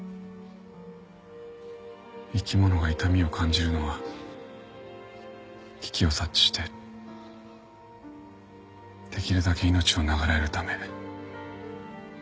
生き物が痛みを感じるのは危機を察知してできるだけ命を永らえるため。